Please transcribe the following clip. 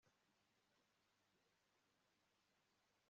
yageze mu ibahasha yijimye maze akuramo urupapuro rwuzuye plastiki